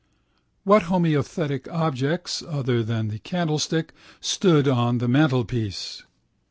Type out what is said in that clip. What homothetic objects, other than the candlestick, stood on the mantelpiece?